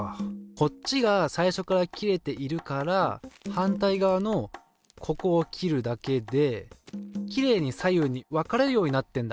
こっちが最初から切れているから反対側のここを切るだけできれいに左右に分かれるようになってんだ。